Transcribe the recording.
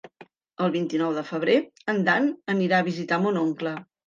El vint-i-nou de febrer en Dan anirà a visitar mon oncle.